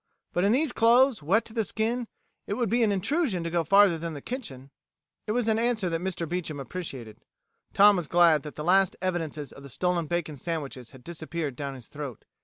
"But in these clothes, wet to the skin, it would be an intrusion to go farther than the kitchen." It was an answer that Mr. Beecham appreciated. Tom was glad that the last evidences of the stolen bacon sandwiches had disappeared down his throat.